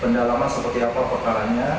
pendalaman seperti apa perkaranya